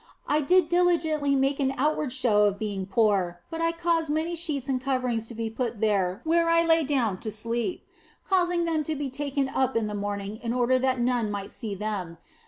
I did dili gently make an outward show of being poor, but I caused many sheets and coverings to be put there where I lay down to sleep, causing them to be taken up in the morn ing in order that none might see them.